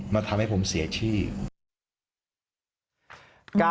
มาทำให้ผมเสียชีพ